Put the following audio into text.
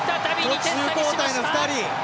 途中交代の２人。